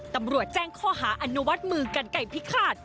ตำรวจแจ้งข้อหาอนุมัติมือกันไก่พิฆาต